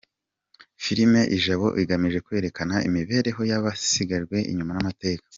Filimi Ijabo igamije kwerekana imibereho y’abasigajwe inyuma n’amateka